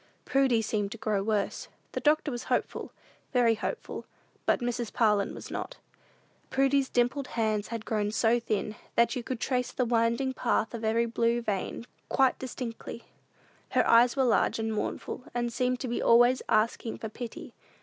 Prudy seemed to grow worse. The doctor was hopeful, very hopeful; but Mrs. Parlin was not. Prudy's dimpled hands had grown so thin, that you could trace the winding path of every blue vein quite distinctly. Her eyes were large and mournful, and seemed to be always asking for pity.